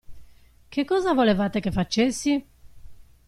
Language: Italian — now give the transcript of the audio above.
Che cosa volevate che facessi?